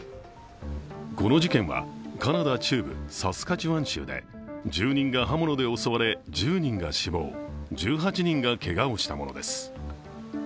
この事件は、カナダ中部サスカチワン州で住人が刃物で襲われ１０人が死亡、１８人がけがをしたものです。